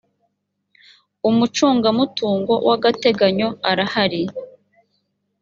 umucungamutungo wagateganyo arahari.